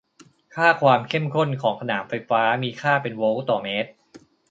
ค่าความเข้มข้นของสนามไฟฟ้ามีค่าเป็นโวลต์ต่อเมตร